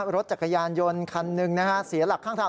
รถจักรยานยนต์คันหนึ่งนะฮะเสียหลักข้างทาง